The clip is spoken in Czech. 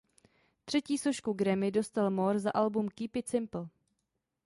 Třetí sošku Grammy dostal Moore za album "Keep It Simple".